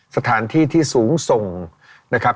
สถานที่ที่สูงส่งนะครับ